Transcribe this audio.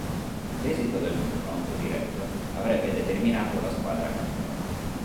L'esito del confronto diretto avrebbe determinato la squadra campione.